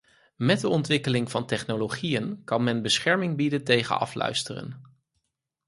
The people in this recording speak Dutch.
Met de ontwikkeling van technologieën kan men bescherming bieden tegen afluisteren.